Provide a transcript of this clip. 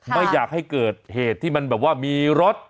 ไม่อยากให้เกิดเหตุที่มันแบบว่ามีรถ